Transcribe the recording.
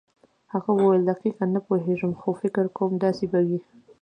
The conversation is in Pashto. هغه وویل دقیقاً نه پوهېږم خو فکر کوم داسې به وي.